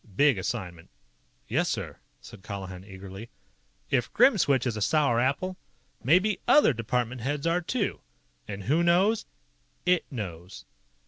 Big assignment." "Yes, sir!" said Colihan eagerly. "If Grimswitch is a sour apple, maybe other department heads are, too. And who knows? IT knows."